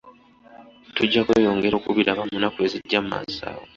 Tujja kweyongera okubiraba mu nnaku ezijja mu maaso awo.